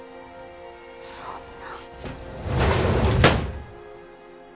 そんな。